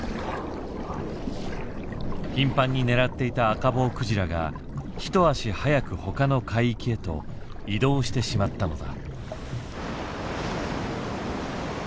頻繁に狙っていたアカボウクジラが一足早くほかの海域へと移動してしまったのだ。